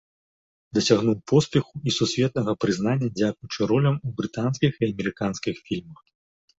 Дасягнуў поспеху і сусветнага прызнання дзякуючы ролям у брытанскіх і амерыканскіх фільмах.